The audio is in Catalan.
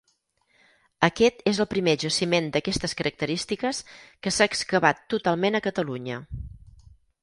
Aquest és el primer jaciment d'aquestes característiques que s'ha excavat totalment a Catalunya.